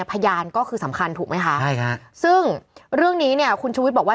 พยานก็คือสำคัญถูกไหมคะใช่ค่ะซึ่งเรื่องนี้เนี่ยคุณชูวิทย์บอกว่า